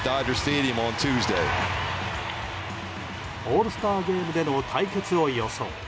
オールスターゲームでの対決を予想。